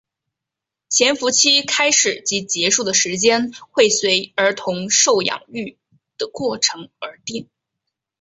潜伏期开始及结束的时间会随儿童受养育的过程而定。